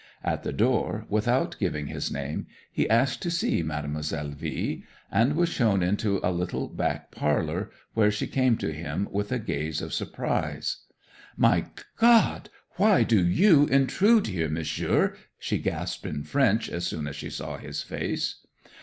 At the door, without giving his name, he asked to see Mademoiselle V , and was shown into a little back parlour, where she came to him with a gaze of surprise. '"My God! Why do you intrude here, Monsieur?" she gasped in French as soon as she saw his face.